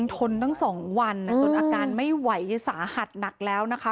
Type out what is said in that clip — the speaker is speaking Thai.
ทนตั้ง๒วันจนอาการไม่ไหวสาหัสหนักแล้วนะคะ